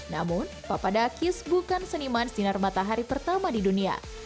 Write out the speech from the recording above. namun papadakis bukan seniman sinar matahari pertama di dunia